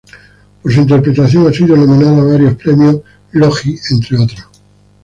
Por su interpretación ha sido nominada a varios premios logie, entre otros.